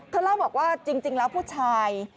เล่าบอกว่าจริงแล้วผู้ชาย